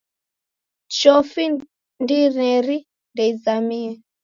Chofi ndineri ndeizamie.